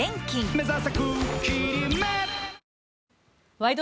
「ワイド！